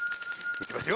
いきますよ！